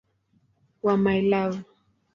wa "My Love".